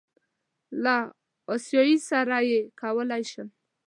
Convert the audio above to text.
له آسیایي سره یې کولی شم.